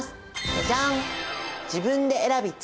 じゃじゃん！